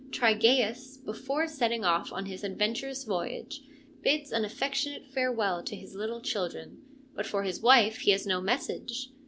Trygaeus, before setting off on his adventurous voyage, bids an affectionate farewell to his little children, but for his wife he has no message.